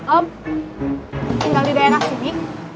om tinggal di daerah sini